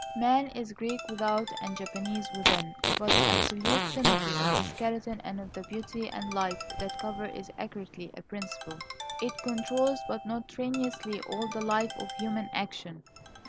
Man is Greek without and Japanese within. But the absolute symmetry of the skeleton and of the beauty and life that cover it is accurately a principle. It controls, but not tyrannously, all the life of human action.